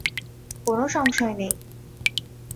কোনো সংশয় নেই।